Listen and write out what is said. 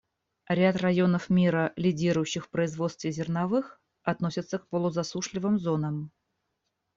Ряд районов мира, лидирующих в производстве зерновых, относятся к полузасушливым зонам.